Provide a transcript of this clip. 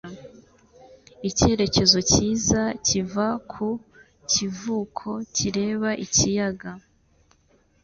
Icyerekezo cyiza kiva ku kivuko kireba ikiyaga